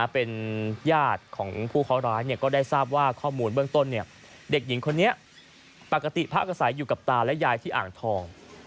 เป็นญาติของผู้เคาะร้ายก็ได้ทราบว่าข้อมูลเบื้องต้นเด็กหญิงคนนี้ปกติพักอาศัยอยู่กับตาและยายที่อ่างทอง